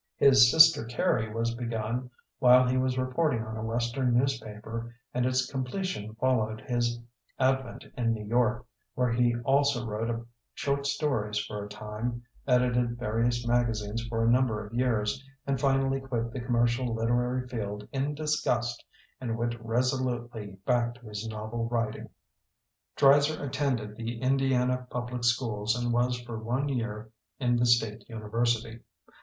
His "Sister Carrie" was begun while he was reporting on a western newspaper and its completion followed his advent in New York, where he also wrote short stories for a time, edited various magazines for a number of years, and finally quit the commercial literary field in disgust and went resolutely back to his novel writing. Dreiser attended the Indiana public schools and was for one year in the state university.